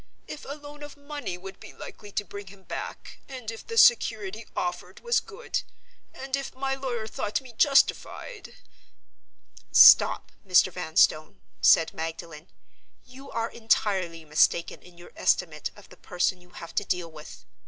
If a loan of money would be likely to bring him back, and if the security offered was good, and if my lawyer thought me justified—" "Stop, Mr. Vanstone," said Magdalen. "You are entirely mistaken in your estimate of the person you have to deal with.